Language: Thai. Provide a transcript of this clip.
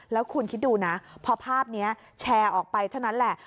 แล้วคุณคิดดูนะพอภาพนี้แชร์ออกไปเท่านั้นแหละ